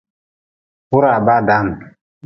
Iwuraa baa daan.